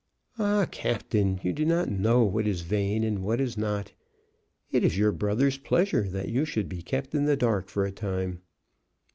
"Ah, captain, you do not know what is vain and what is not. It is your brother's pleasure that you should be kept in the dark for a time."